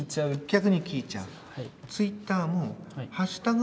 逆に聞いちゃう。